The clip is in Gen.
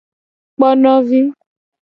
Kponovi.